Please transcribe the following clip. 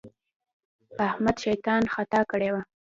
احمد شيطان خطا کړی وو.